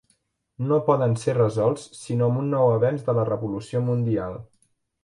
No poden ser resolts sinó amb un nou avenç de la revolució mundial.